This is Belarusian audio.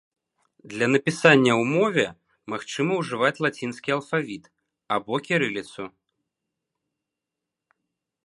Для напісання ў мове магчыма ўжываць лацінскі алфавіт або кірыліцу.